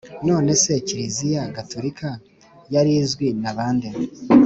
none se kiliziya gaturika yari izwi na ba nde’